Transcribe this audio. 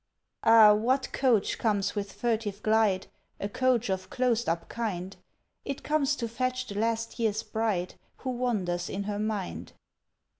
... Ah—what coach comes with furtive glide— A coach of closed up kind? It comes to fetch the last year's bride, Who wanders in her mind.